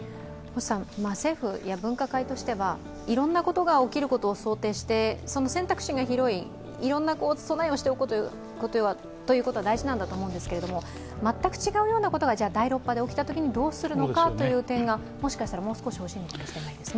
政府、分科会としてはいろんなことが起きることを想定して、その選択肢が広い、いろんな備えをしておくことは大事だと思うんですが全く違うようなことが第６波で起きたときどうするか、もしかしたら、もう少し欲しいのかもしれませんね。